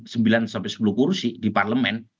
sembilan sampai sepuluh kursi di parlemen